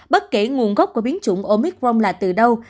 bất kể nguồn gốc của biến chủng omicrom là từ đâu